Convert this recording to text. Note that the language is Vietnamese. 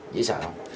dễ sợ không